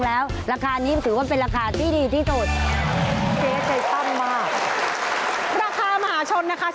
แล้วนี่คือชุดโตต่อและโก้อี้ที่โชว์นะครับ